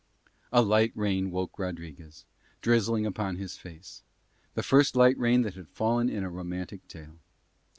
A light rain woke Rodriguez, drizzling upon his face; the first light rain that had fallen in a romantic tale.